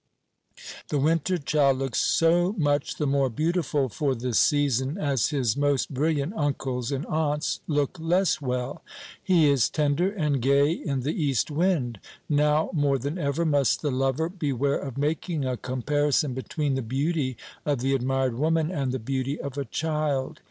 The winter child looks so much the more beautiful for the season as his most brilliant uncles and aunts look less well. He is tender and gay in the east wind. Now more than ever must the lover beware of making a comparison between the beauty of the admired woman and the beauty of a child.